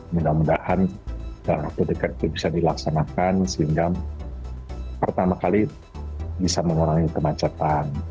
mudah mudahan dalam waktu dekat itu bisa dilaksanakan sehingga pertama kali bisa mengurangi kemacetan